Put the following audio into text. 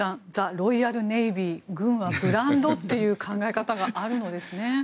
ロイヤルネイビー軍はブランドという考え方があるのですね。